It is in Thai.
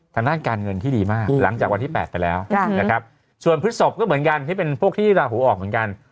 ทางด้านการเงินที่ดีมากหลังจากวันที่๘ไปแล้วนะครับส่วนพฤศพก็เหมือนกันที่เป็นพวกที่ราหูออกเหมือนกัน